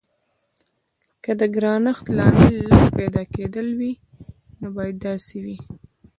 که د ګرانښت لامل لږ پیدا کیدل وي نو باید داسې وي.